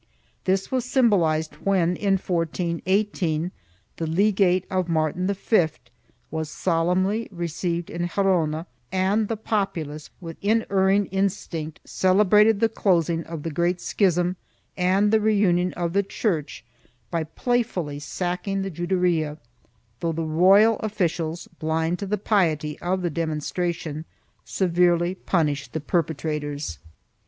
This was symbolized when, in 1418, the legate of Martin V was solemnly received in Gerona and the populace, with inerring instinct, celebrated the closing of the great Schism and the reunion of the Church by playfully sacking the Juderia, though the royal officials, blind to the piety of the demonstration, severely punished the perpe trators.